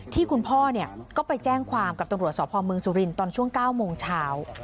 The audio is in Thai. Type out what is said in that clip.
ที่คุณพ่อก็ไปแจ้งความกับตำรวจสพเมืองสุรินทร์ตอนช่วง๙โมงเช้า